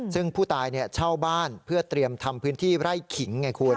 ซึ่งผู้ตายเช่าบ้านเพื่อเตรียมทำพื้นที่ไร่ขิงไงคุณ